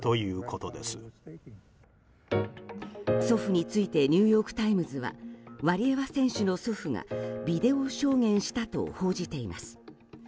祖父についてニューヨーク・タイムズはワリエワ選手の祖父がビデオ証言したと報じています。